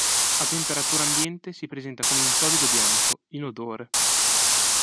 A temperatura ambiente si presenta come un solido bianco, inodore.